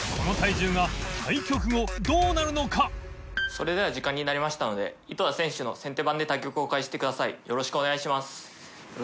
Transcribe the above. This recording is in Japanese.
それでは時間になりましたので綸珍蠅先手番で対局を開始してください。